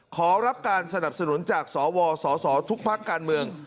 ขอรับการสนับสนุนจากสวสสทุกพักการเมือง